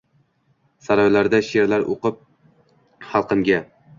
Saroylarda sherlar uqib halqimga